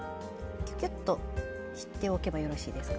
キュキュッとしておけばよろしいですか？